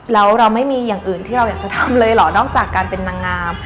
แล้วเราไม่มีอย่างอื่นที่เราอยากจะทำเลยเหรอนอกจากการเป็นนางงาม